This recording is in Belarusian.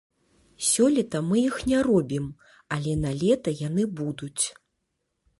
Сёлета мы іх не робім, але налета яны будуць.